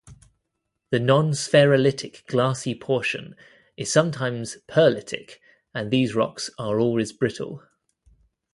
The non-spherulitic glassy portion is sometimes perlitic, and these rocks are always brittle.